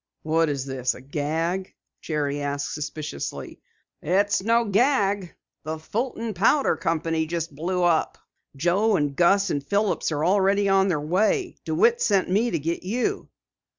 "What is this, a gag?" Jerry asked suspiciously. "It's no gag. The Fulton Powder Company just blew up. Joe, and Gus, and Philips are already on their way. DeWitt sent me to get you."